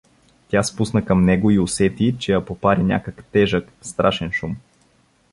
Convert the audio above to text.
Тя спусна към него и усети, че я попари някак тежък, страшен шум.